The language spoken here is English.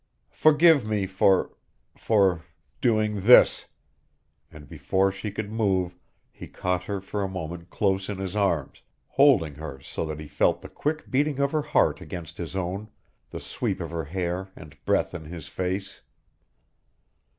"Forgive me for for doing this " And before she could move he caught her for a moment close in his arms, holding her so that he felt the quick beating of her heart against his own, the sweep of her hair and breath in his face.